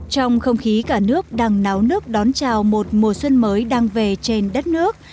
trong không khí cả nước đang náo nước đón chào một mùa xuân mới đang về trên đất nước